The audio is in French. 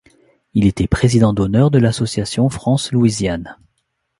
Il était président d’honneur de l’Association France-Louisiane.